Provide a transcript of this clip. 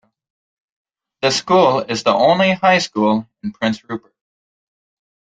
The school is the only high school in Prince Rupert.